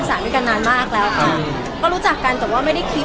จีบตอนไหนยังไม่รอเคย